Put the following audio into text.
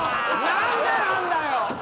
何でなんだよ！？